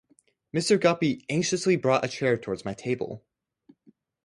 Mr. Guppy, anxiously brought a chair towards my table.